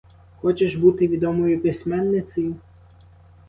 Хочеш бути відомою письменницею?